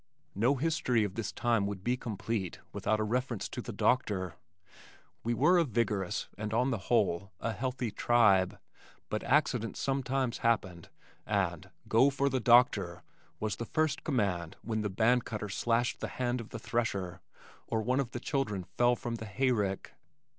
No history of this time would be complete without a reference to the doctor. We were a vigorous and on the whole a healthy tribe but accidents sometimes happened and "Go for the doctor!" was the first command when the band cutter slashed the hand of the thresher or one of the children fell from the hay rick.